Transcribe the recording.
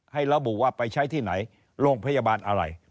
ระบุว่าไปใช้ที่ไหนโรงพยาบาลอะไร